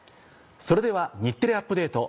それでは『日テレアップＤａｔｅ！』